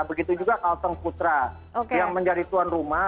begitu juga kalteng putra yang menjadi tuan rumah